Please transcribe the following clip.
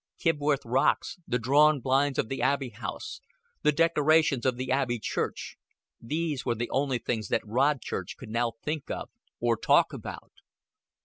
Kibworth Rocks, the drawn blinds of the Abbey House, the decorations of the Abbey Church these were the only things that Rodchurch could now think of, or talk about.